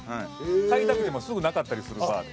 買いたくてもすぐなかったりするバーで。